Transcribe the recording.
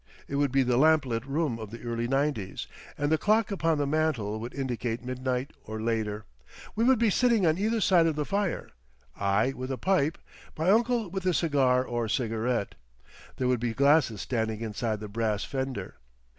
It would be the lamplit room of the early nineties, and the clock upon the mantel would indicate midnight or later. We would be sitting on either side of the fire, I with a pipe, my uncle with a cigar or cigarette. There would be glasses standing inside the brass fender.